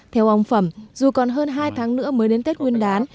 theo ông phẩm dù còn hơn hai tháng nữa mới đến tết nguyên đán